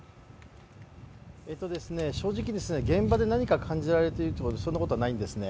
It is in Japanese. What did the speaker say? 正直、現場で何か感じられてるかというとそんなことはないんですね。